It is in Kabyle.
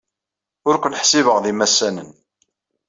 Ur ken-ḥsibeɣ d imassanen.